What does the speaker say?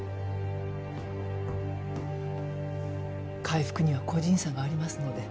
回復には個人差がありますので。